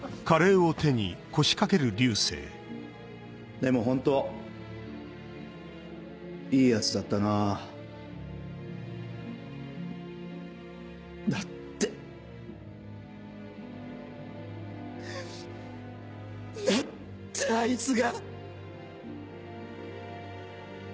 でもホントいいヤツだったな何で何であいつが！